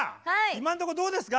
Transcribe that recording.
今んとこどうですか？